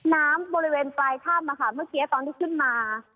น้ำบริเวณปลายถ้ำเมื่อกี้ตอนที่ขึ้นมา